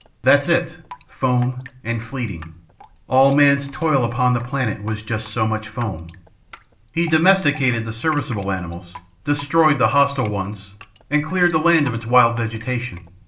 "That's it foam, and fleeting. All man's toil upon the planet was just so much foam. He domesticated the serviceable animals, destroyed the hostile ones, and cleared the land of its wild vegetation.